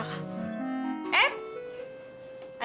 eh ada syaratnya